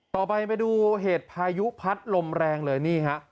ไปดูเหตุพายุพัดลมแรงเลยนี่ฮะ